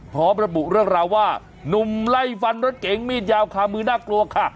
พร้อมระบุเรื่องราวว่านุ่มไล่ฟันรถเก๋งมีดยาวคามือน่ากลัวค่ะ